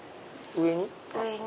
上に。